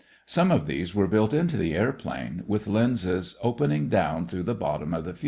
Some of these were built into the airplane, with the lens opening down through the bottom of the fuselage.